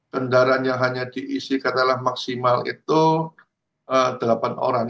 kendaraan yang hanya diisi katakanlah maksimal itu delapan orang